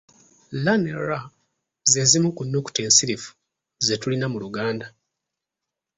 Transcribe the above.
L ne r ze zimu ku nnukuta ensirifu ze tulina mu Luganda.